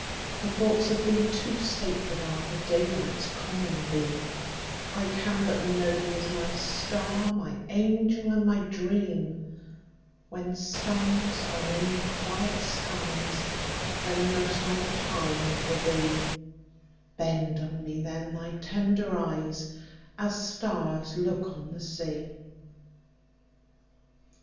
My thoughts of thee too sacred areFor daylight's common beam:I can but know thee as my star, My angel and my dream; When stars are in the quiet skies, Then most I pine for thee; Bend on me then thy tender eyes, As stars look on the sea!